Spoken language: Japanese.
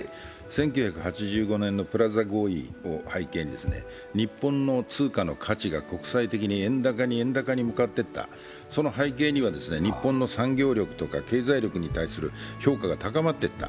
１９８５年のプラザ合意を背景に日本の通貨の価値が国際的に円高に、円高に向かっていった、その背景には日本の産業力とか経済力に対する評価が高まっていた。